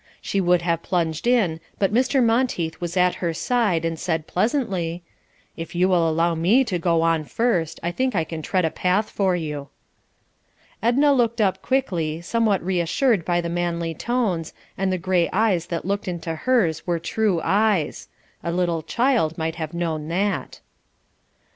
She would have plunged in, but Mr. Monteith was at her side and said pleasantly, "If you will allow me to go on first, I think I can tread a path for you." Edna looked up quickly, somewhat reassured by the manly tones, and the grey eyes that looked into hers were true eyes; a little child might have known that.